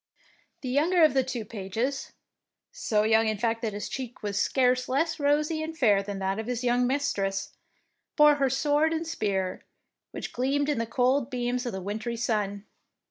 The younger of the two pages — so young in fact that his cheek was scarce less rosy and fair than that of his young mistress — bore her sword and spear, which gleamed in the cold beams of the wintry sun.